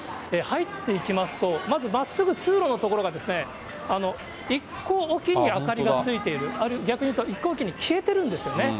入っていきますと、まずまっすぐ通路の所が、１個置きに明かりがついている、逆に言うと１個置きに消えてるんですよね。